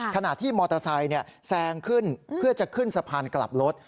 ขณะที่มอเตอร์ไซค์แซงขึ้นเพื่อจะขึ้นสะพานกลับรถ